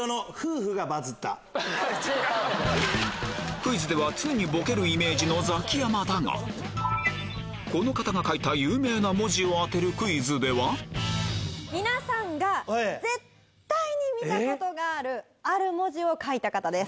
クイズでは常にボケるイメージのザキヤマだがこの方が書いた有名な文字を当てるクイズでは皆さんが絶対に見たことがあるある文字を書いた方です。